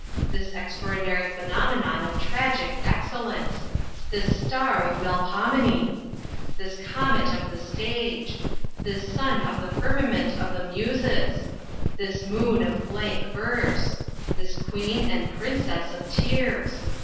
This extraordinary phenomenon of tragic excellence! this star of Melpomene! this comet of the stage! this sun of the firmament of the Muses! this moon of blank verse! this queen and princess of tears!